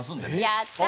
やった！